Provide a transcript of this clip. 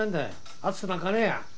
暑くなんかねえや。